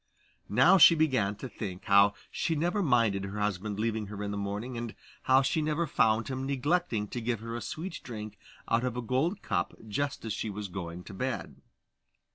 Now she began to think how she never minded her husband leaving her in the morning, and how she never found him neglecting to give her a sweet drink out of a gold cup just as she was going to bed.